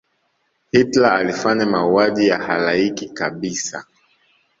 hitler alifanya mauaji ya halaiki kabisa